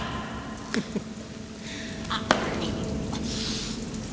フフッ！